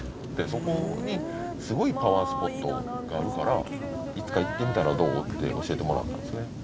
でそこにすごいパワースポットがあるからいつか行ってみたらどう？って教えてもらったんですね。